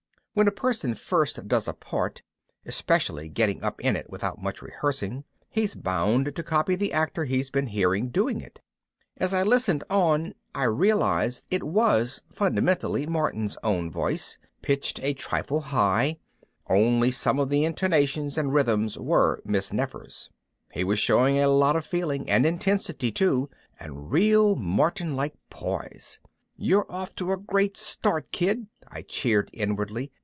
When a person first does a part, especially getting up in it without much rehearsing, he's bound to copy the actor he's been hearing doing it. And as I listened on, I realized it was fundamentally Martin's own voice pitched a trifle high, only some of the intonations and rhythms were Miss Nefer's. He was showing a lot of feeling and intensity too and real Martin type poise. You're off to a great start, kid, I cheered inwardly.